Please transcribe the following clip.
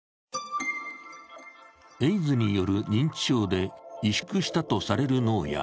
エイズによる認知症で萎縮したとされる脳や、